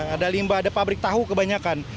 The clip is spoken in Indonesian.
ada limba ada pabrik tahu kebanyakan